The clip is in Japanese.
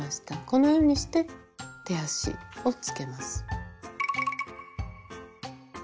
このようにして手足をつけます。